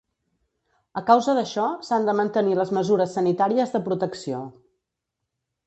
A causa d’això, s’han de mantenir les mesures sanitàries de protecció.